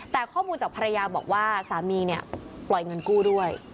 แต่ข้อมูลจากภรรยาบอกว่าสามีเนี่ยปล่อยเงินกู้ด้วย